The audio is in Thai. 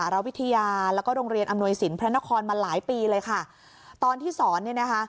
โรงเรียนอำนวยสินพระนครมาหลายปีเลยค่ะตอนที่สอนเนี้ยนะคะ